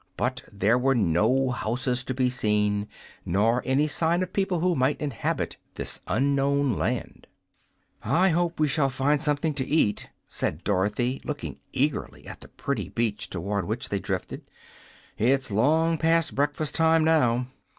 But there were no houses to be seen, nor any sign of people who might inhabit this unknown land. "I hope we shall find something to eat," said Dorothy, looking eagerly at the pretty beach toward which they drifted. "It's long past breakfast time, now."